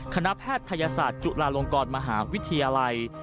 แพทยศาสตร์จุฬาลงกรมหาวิทยาลัย